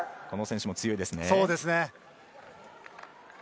この選手も強いですね。